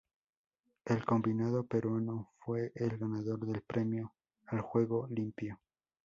El combinado peruano fue el ganador del premio al juego limpio.